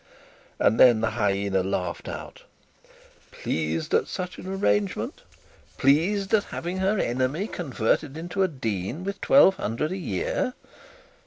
And then the hyena laughed loud. Pleased at such an arrangement! pleased at having her enemy converted into a dean with twelve hundred a year!